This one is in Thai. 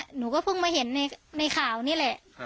จริงเค้าได้เห็นในข่าวนี้แหละ